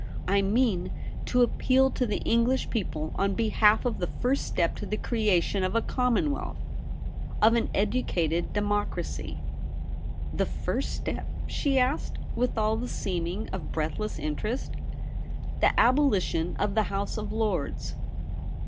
I mean to appeal to the English people on behalf of the first step to the creation of a commonwealth, of an educated democracy.' ' The first step ?' she asked, with all the seeming of breathless interest. 'The abolition of the House of Lords.